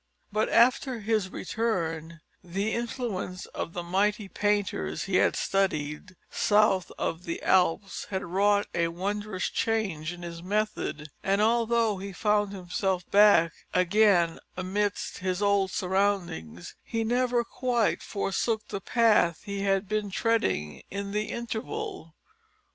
But, after his return, the influence of the mighty painters he had studied south of the Alps had wrought a wondrous change in his method, and although he found himself back again amidst his old surroundings he never quite forsook the path he had been treading in the interval.